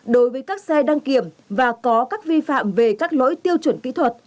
đối với các xe đăng kiểm và có các vi phạm về các lỗi tiêu chuẩn kỹ thuật